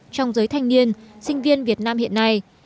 trong giới thanh niên sinh viên việt nam hiện nay